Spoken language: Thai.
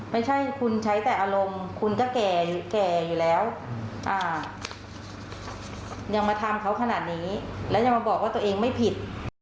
ไม่ใช่คุณใช้แต่อารมณ์คุณก็แก่อยู่แล้วยังมาทำเขาขนาดนี้แล้วยังมาบอกว่าตัวเองไม่ผิด